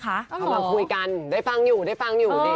เอามาคุยกันได้ฟังอยู่ได้ฟังอยู่ดี